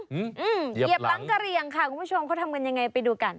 เหยียบหลังกะเรียงค่ะคุณผู้ชมเขาทำกันยังไงไปดูกัน